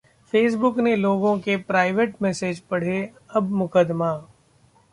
Facebook ने लोगों के प्राइवेट मैसेज पढ़े, अब मुकदमा